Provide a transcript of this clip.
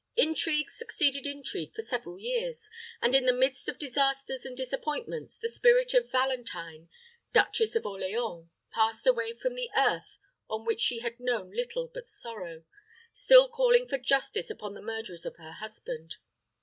Intrigue succeeded intrigue for several years, and, in the midst of disasters and disappointments, the spirit of Valentine, duchess of Orleans, passed away from the earth (on which she had known little but sorrow), still calling for justice upon the murderers of her husband.